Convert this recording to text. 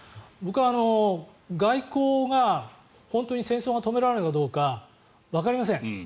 僕は外交が本当に戦争を止められるのかどうかわかりません。